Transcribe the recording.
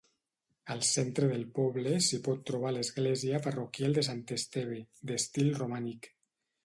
Al centre del poble s'hi pot trobar l'església parroquial de Sant Esteve, d'estil romànic.